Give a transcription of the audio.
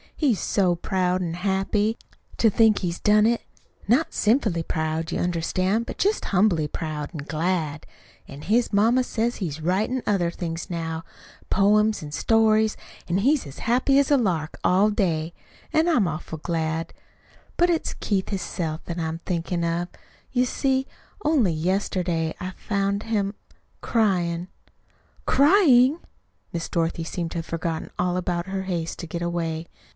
He's so proud an' happy to think he's done it not sinfully proud, you understand, but just humbly proud an' glad. An' his ma says he's writin' other things now poems an' stories, an' he's as happy as a lark all day. An' I'm awful glad. But it's Keith hisself that I'm thinkin' of. You see, only yesterday I found him cryin'." "Crying!" Miss Dorothy seemed to have forgotten all about her haste to get away.